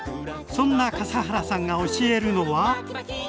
そんな笠原さんが教えるのは？